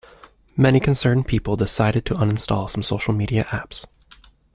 Many concerned people decided to uninstall some social media apps.